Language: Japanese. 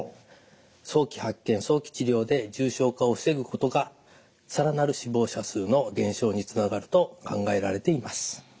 早期発見早期治療で重症化を防ぐことが更なる死亡者数の減少につながると考えられています。